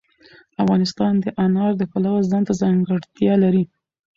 افغانستان د انار د پلوه ځانته ځانګړتیا لري.